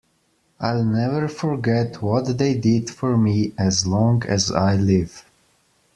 I'll never forget what they did for me, as long as I live.